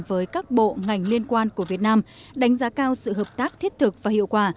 với các bộ ngành liên quan của việt nam đánh giá cao sự hợp tác thiết thực và hiệu quả